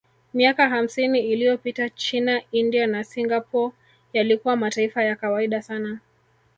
Miaka hamsini iliyopita China India na Singapore yalikuwa mataifa ya kawaida sana